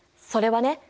それはね